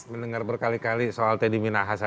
mendengar berkali kali soal teddy minahasa